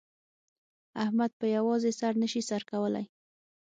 احمد په په یوازې سر نه شي سر کولای.